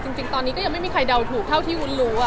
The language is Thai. จริงตอนนี้ก็ยังไม่มีใครเดาถูกเท่าที่วุ้นรู้